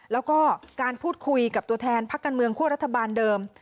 แล้วก็การพูดคุยกับตัวแทนพักการเมืองคั่วรัฐบาลเดิม